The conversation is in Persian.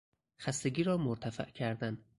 خستگی را مرتفع کردن